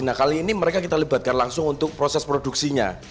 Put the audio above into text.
nah kali ini mereka kita libatkan langsung untuk proses produksinya